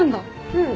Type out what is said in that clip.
うん。